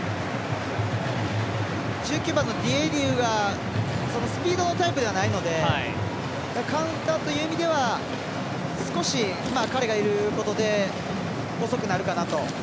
１９番ディエディウがスピードタイプではないのでカウンターという意味では少し彼がいることで遅くなるかなと。